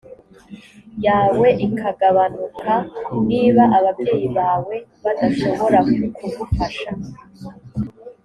yawe ikagabanuka niba ababyeyi bawe badashobora kugufasha